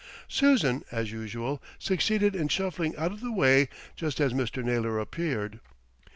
Susan, as usual, succeeded in shuffling out of the way just as Mr. Naylor appeared.